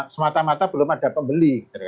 semata mata belum ada pembeli